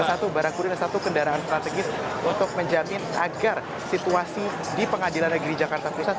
satu barang kurir dan satu kendaraan strategis untuk menjamin agar situasi di pengadilan negeri jakarta pusat